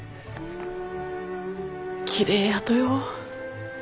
きれいやとよ。